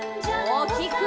おおきく！